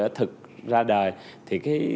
ở thực ra đời thì cái